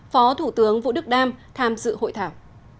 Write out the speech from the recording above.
phó thủ tướng vũ đức đam tham dự hội thảo